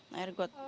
iya air got